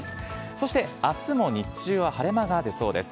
そしてあすも日中は晴れ間が出そうです。